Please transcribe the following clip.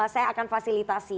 saya akan fasilitasi